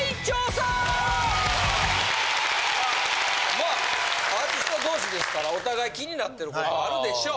まあアーティスト同士ですからお互い気になってることあるでしょう。